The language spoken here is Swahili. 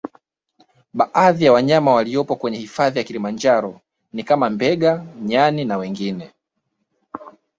Baadhi ya wanyama waliopo kwenye hifadhi ya kilimanjaro ni kama Mbega nyani na wengine